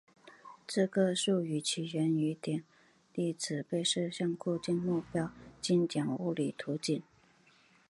这个术语起源于点粒子被射向固体目标的经典物理图景。